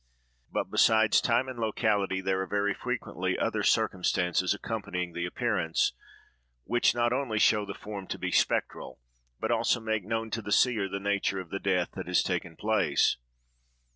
But, besides time and locality, there are very frequently other circumstances accompanying the appearance, which not only show the form to be spectral, but also make known to the seer the nature of the death that has taken place.